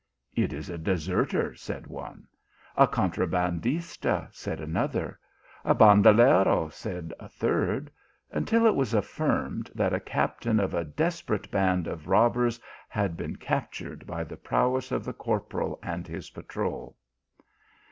It is a deserter, said one ; a contrabandista, said another; a bandalero, said a third, until it was affirmed that a captain of a des perate band of robbers had been captured by the prowess of the corporal and his patrol.